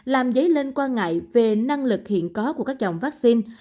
làm dấy lên quan ngại về năng lực hiện có của các dòng vaccine